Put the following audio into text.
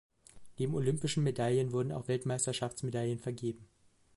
Neben olympischen Medaillen wurden auch Weltmeisterschaftsmedaillen vergeben.